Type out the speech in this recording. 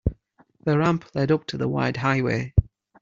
The ramp led up to the wide highway.